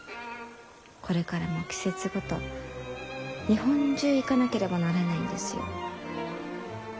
これからも季節ごと日本中行かなければならないんですよ。